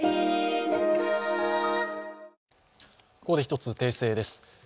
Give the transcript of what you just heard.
ここで一つ訂正です。